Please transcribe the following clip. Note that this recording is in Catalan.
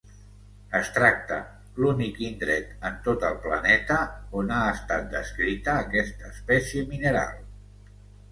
Es tracta l'únic indret en tot el planeta on ha estat descrita aquesta espècie mineral.